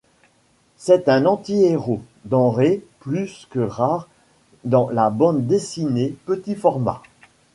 C'est un anti-héros, denrée plus que rare dans la bande dessinée petits formats.